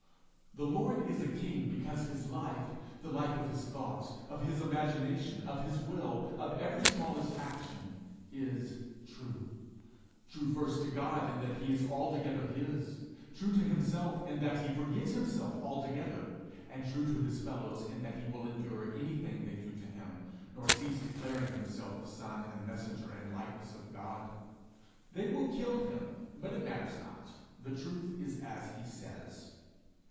The Lord is a king because his life, the life of his thoughts, of his imagination, of his will, of every smallest action, is true true first to God in that he is altogether his, true to himself in that he forgets himself altogether, and true to his fellows in that he will endure anything they do to him, nor cease declaring himself the son and messenger and likeness of God. They will kill him, but it matters not: the truth is as he says!